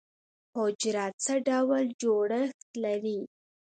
حجره څه ډول جوړښت لري؟